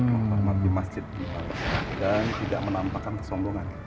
menghormati masjid di luar sana dan tidak menampakkan kesombongan